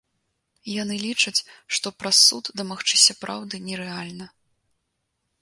Яны лічаць, што праз суд дамагчыся праўды нерэальна.